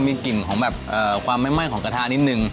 มีกลิ่นของแบบความไม่ไหม้ของกระทะนิดนึง